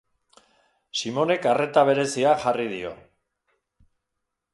Simonek arreta berezia jarri dio.